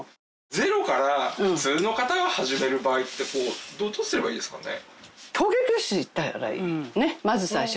ゼロから普通の方が始める場合ってどうすればいいですかね？